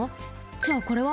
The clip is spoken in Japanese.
じゃあこれは？